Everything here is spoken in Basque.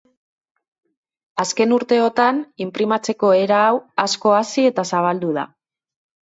Azken urteotan inprimatzeko era hau asko hazi eta zabaldu da.